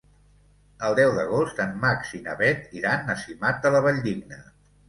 El deu d'agost en Max i na Bet iran a Simat de la Valldigna.